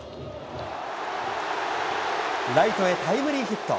ライトへタイムリーヒット。